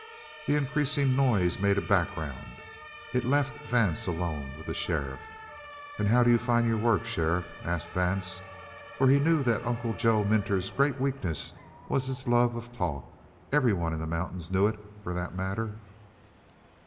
The increasing noise made a background. It left Vance alone with the sheriff. "And how do you find your work, sheriff?" asked Vance; for he knew that Uncle Joe Minter's great weakness was his love of talk. Everyone in the mountains knew it, for that matter.